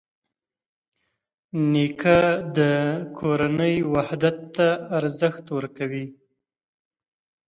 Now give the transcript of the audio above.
نیکه د کورنۍ وحدت ته ارزښت ورکوي.